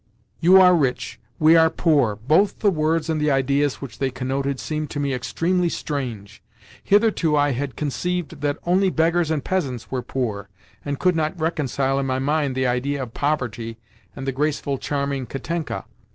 "You are rich," "we are poor"—both the words and the ideas which they connoted seemed to me extremely strange. Hitherto, I had conceived that only beggars and peasants were poor and could not reconcile in my mind the idea of poverty and the graceful, charming Katenka.